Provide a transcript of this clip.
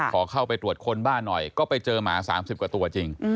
ขอเข้าไปตรวจค้นบ้านหน่อยก็ไปเจอหมา๓๐กว่าตัวจริง